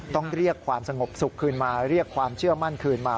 ต้องเรียกความสงบสุขคืนมาเรียกความเชื่อมั่นคืนมา